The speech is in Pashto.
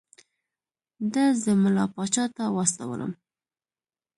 ده زه ملا پاچا ته واستولم.